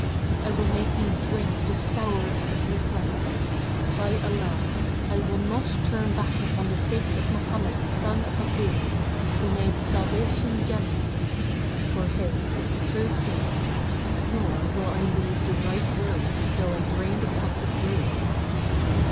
I will make thee drink the sourest of regrets! By Allah, I will not turn back upon the faith of Mohammed son of Abdullah, who made salvation general; for his is the True Faith; nor will I leave the right road though I drain the cup of ruin!"